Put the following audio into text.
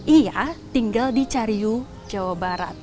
ia tinggal di cariw jawa barat